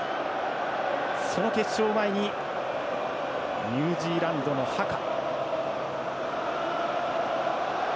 その決勝を前にニュージーランドのハカ。